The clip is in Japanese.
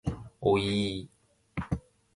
おいいい